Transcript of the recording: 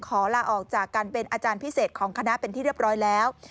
ลาออกจากการเป็นอาจารย์พิเศษของคณะเป็นที่เรียบร้อยแล้ว